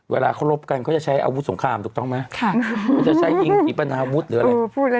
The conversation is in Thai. เวลาเขารบกันเขาจะใช้อาวุธสงครามถูกต้องไหมมันจะใช้ยิงขีปนาวุฒิหรืออะไร